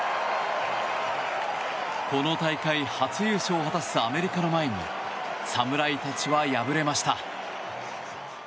この大会初優勝を果たすアメリカの前に侍たちは敗れました。